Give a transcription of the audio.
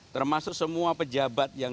termasuk semua pejabat yang